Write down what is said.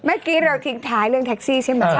เมื่อกี้เราทิ้งท้ายเรื่องแท็กซี่ใช่ไหม